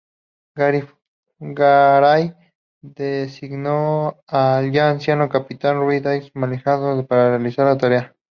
Garay designó al ya anciano capitán Ruy Díaz de Melgarejo para realizar la tarea.